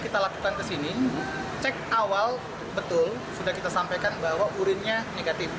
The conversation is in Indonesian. kita lakukan kesini cek awal betul sudah kita sampaikan bahwa urinnya negatif